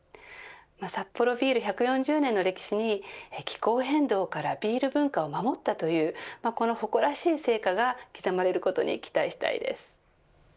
サッポロビール１４０年の歴史に気候変動からビール文化を守ったというこの誇らしい成果が刻まれることに期待したいです。